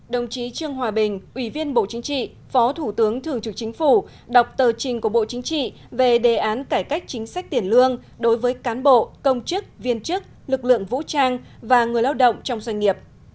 đồng chí trương hòa bình ủy viên bộ chính trị phó thủ tướng thường trực chính phủ đọc tờ trình của bộ chính trị về đề án cải cách chính sách tiền lương đối với cán bộ công chức viên chức lực lượng vũ trang và người lao động trong doanh nghiệp